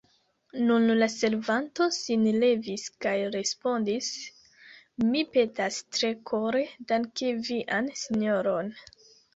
Nun la servanto sin levis kaj respondis: Mi petas tre kore danki vian sinjoron.